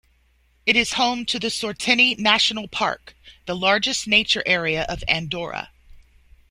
It is home to the Sorteny National Park, the largest nature area of Andorra.